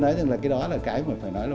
nói rằng là cái đó là cái mà phải nói là